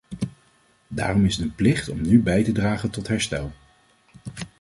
Daarom is het een plicht om nu bij te dragen tot herstel.